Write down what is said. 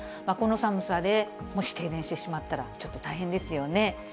この寒さで、もし停電してしまったら、ちょっと大変ですよね。